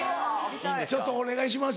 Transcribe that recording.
ちょっとお願いします。